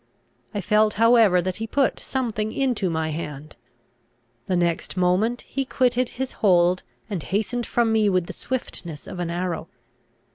I felt however that he put something into my hand. The next moment he quitted his hold, and hastened from me with the swiftness of an arrow.